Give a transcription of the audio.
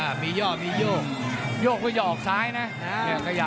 วันนี้เดี่ยงไปคู่แล้วนะพี่ป่านะ